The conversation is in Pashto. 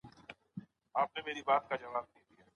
حضوري ټولګي کي د تمرینونو برخه واخله.